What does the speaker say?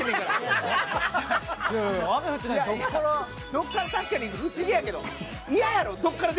どこから、確かに不思議やけど。